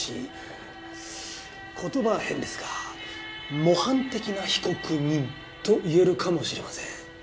言葉は変ですが模範的な被告人と言えるかもしれません。